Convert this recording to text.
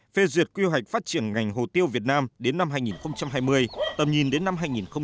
phê duyệt quy hoạch phát triển ngành hồ tiêu việt nam đến năm hai nghìn hai mươi tầm nhìn đến năm hai nghìn ba mươi